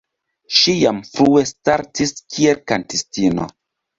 Ŝi jam frue startis kiel kantistino.